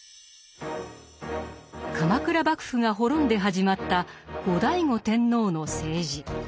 鎌倉幕府が滅んで始まった後醍醐天皇の政治。